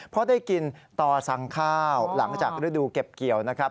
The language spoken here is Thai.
เพราะได้กินต่อสั่งข้าวหลังจากฤดูเก็บเกี่ยวนะครับ